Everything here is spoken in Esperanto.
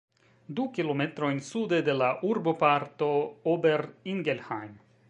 Du kilometrojn sude de la urboparto Ober-Ingelheim.